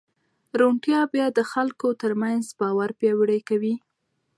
روڼتیا بیا د خلکو ترمنځ باور پیاوړی کوي.